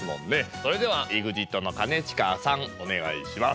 それではＥＸＩＴの兼近さんおねがいします。